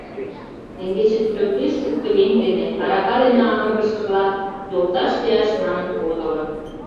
Теҥгече тудо пеш шуко еҥ дене, арака дене аҥыргышыжла, йолташ лияш манын подылын.